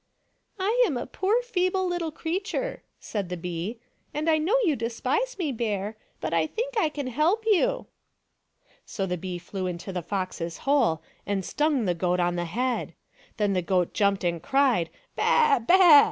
"lama poor feeble little creature," said the bee, " and I know you despise me, Bear, but I think I can help you." So the bee flew into the fox's hole and stung the 302 THE DONKEY, THE TABLE, AND THE STICK goat on the head. Then the goat jumped and cried " Baa ! Baa